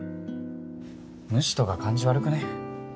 無視とか感じ悪くね？